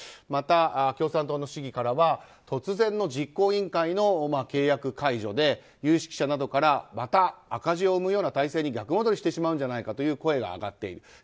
また、共産党の市議からは突然の実行委員会の契約解除で有識者などからまた赤字を生むような体制に逆戻りしてしまうんじゃないかという声が上がっている。